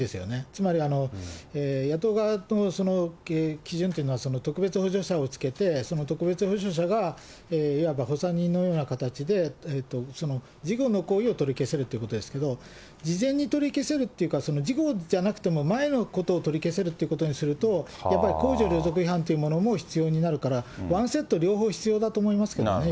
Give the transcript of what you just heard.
つまり野党側の基準というのは、特別補助者をつけて、特別補助者がいわばほさ人のような形で、事後の行為を取り消せるということですけど、事前に取り消せるというか、事後じゃなくても前のことを取り消せるということにすると、やっぱり公序良俗違反というものも必要になるから、ワンセット両方必要だと思いますけどね。